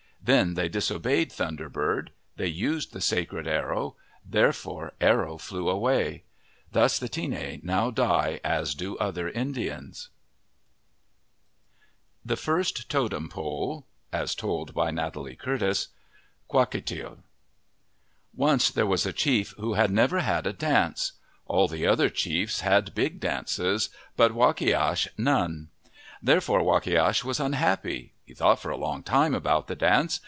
Then they disobeyed Thun der Bird. They used the sacred arrow, therefore Arrow flew away. Thus the Tinne now die as do other Indians. 59 MYTHS AND LEGENDS THE FIRST TOTEM POLE* Kwakiutl ONCE there was a chief who had never had a dance. All the other chiefs had big dances, but Wakiash none. Therefore Wa kiash was unhappy. He thought for a long while about the dance.